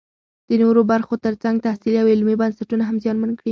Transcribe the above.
د نورو برخو ترڅنګ تحصیلي او علمي بنسټونه هم زیانمن کړي